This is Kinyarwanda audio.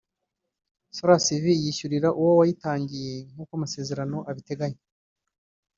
Soras Vie yishyurira uwo yayitangiye nk’uko amasezerano abiteganya